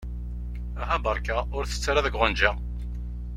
Aha beṛka ur tett ara deg uɣenǧa.